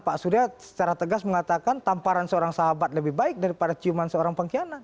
pak surya secara tegas mengatakan tamparan seorang sahabat lebih baik daripada ciuman seorang pengkhianat